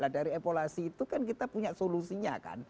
dari evaluasi itu kan kita punya solusinya kan